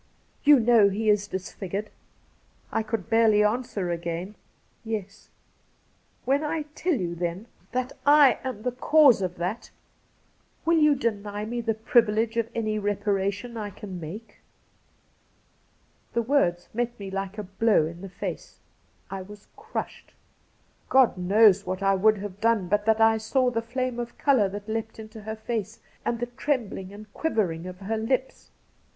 ' You know he is disfigured ?' I could barely answer again, ' Yes.' ' When I tell you, then, that / am the cause of 158 Cassidy that, will you deny me the privilege of any reparation I can make ?' The words met me like a blow in the face. I was crushed ! God knows what I would have done but that I saw the flame of colour that leapt into her face, and the trembling and quiver ing of her lips.